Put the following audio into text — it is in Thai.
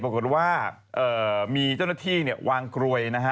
ปรากฏว่ามีเจ้าหน้าที่เนี่ยวางกลวยนะฮะ